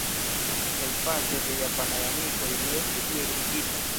Helpate de japanaj amikoj, li estis liberigita.